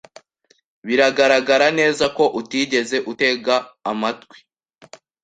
Biragaragara neza ko utigeze utega amatwi.